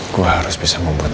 aku harus bisa memperbaikinya